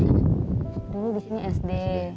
dulu di sini sd